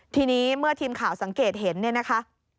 ทีนี้เมื่อทีมข่าวสังเกตเห็นเนี่ยนะคะ